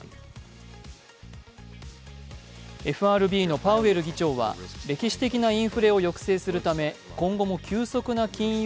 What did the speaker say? ＦＲＢのパウエル議長は歴史的なインフレを抑制するため今後も急速な金融